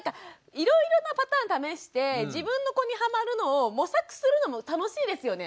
いろいろなパターンを試して自分の子にハマるのを模索するのも楽しいですよね。